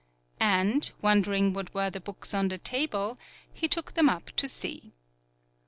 And, wondering what were the books on the table, he took them up to see.